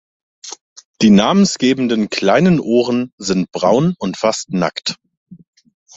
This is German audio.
Die namensgebenden kleinen Ohren sind braun und fast nackt.